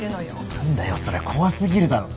何だよそれ怖過ぎるだろ。